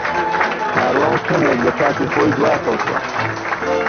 کاروان کەمێک لە کاتی خۆی دواکەوتووە.